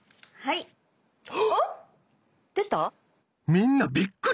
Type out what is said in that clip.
みんなびっくり！